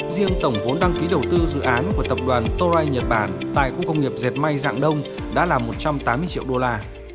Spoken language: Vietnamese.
riêng tổng vốn đăng ký đầu tư dự án của tập đoàn torai nhật bản tại khu công nghiệp dệt may dạng đông đã là một trăm tám mươi triệu đô la